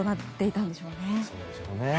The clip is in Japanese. そうでしょうね。